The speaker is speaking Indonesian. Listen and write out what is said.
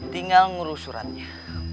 tinggal ngurus suratnya